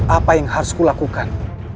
apa yang harus kulakukan